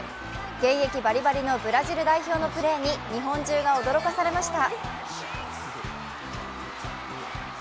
現役バリバリのブラジル代表のプレーに日本中が驚かされました。